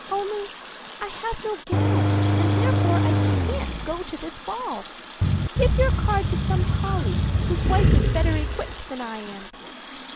Only I have no gown, and, therefore, I can't go to this ball. Give your card to some colleague whose wife is better equipped than I am.